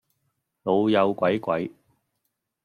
老友鬼鬼